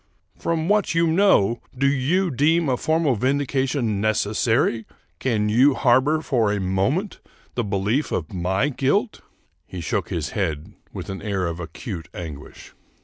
" From what you know, do you deem a formal vindication necessary? Can you harbor for a moment the belief of my guilt? " He shook his head with an air of acute anguish.